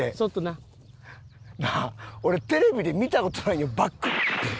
なあ俺テレビで見た事ないんよバック。